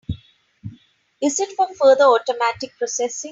Is it for further automatic processing?